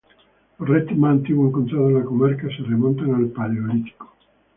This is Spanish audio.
Los restos más antiguos encontrados en la comarca se remontan al paleolítico.